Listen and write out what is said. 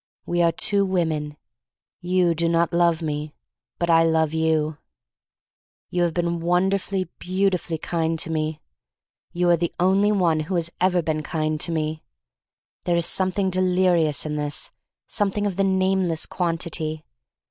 "We are two women. You do p^t love me, but I love you. THE STORY OF MARY MAC LANE 313 "You have been wonderfully, beauti fully kind to me. "You are the only one who has ever been kind to me. "There is something delirious in this — something of the nameless quan tity.